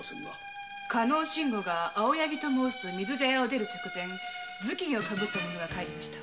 加納信吾が水茶屋を出る直前頭巾を被った者が帰りました。